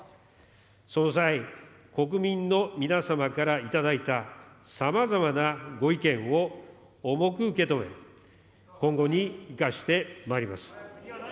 その際、国民の皆様から頂いたさまざまなご意見を重く受け止め、今後に生かしてまいります。